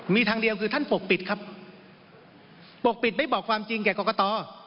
มีทางเดียวคือท่านปกปิดครับปกปิดไม่บอกความจริงแก่กรกต